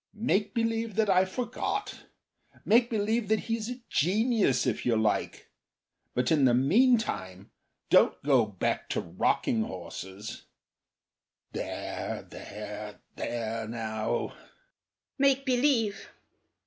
Make believe that I forgot. Make believe that he's a genius, if you like, but in the meantime Don't go back to rocking horses. There, there, there, now." "Make believe!